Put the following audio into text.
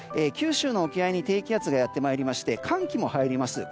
九州の沖合に低気圧がやってまりいまして寒気も入ります。